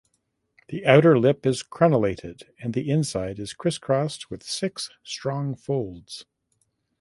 The outer lip is crenellated and the inside is crisscrossed with six strong folds.